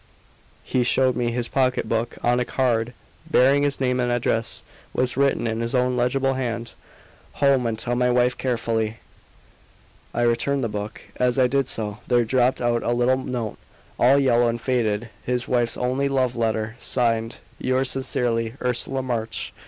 He showed me his pocket book; on a card bearing his name and address was written in his own legible hand, "HOME, AND TELL MY WIFE CAREFULLY." I returned the book. As I did so, there dropped out a little note all yellow and faded his wife's only "love letter," signed, "Yours sincerely, Ursula March."